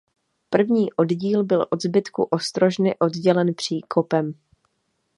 První oddíl byl od zbytku ostrožny oddělen příkopem.